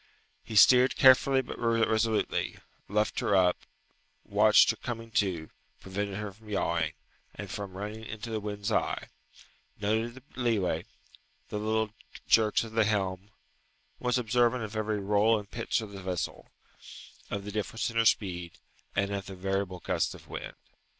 He steered carefully but resolutely, luffed her up, watched her coming to, prevented her from yawing, and from running into the wind's eye: noted the leeway, the little jerks of the helm: was observant of every roll and pitch of the vessel, of the difference in her speed, and of the variable gusts of wind.